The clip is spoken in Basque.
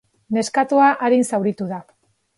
Neskatoa arin zauritu da.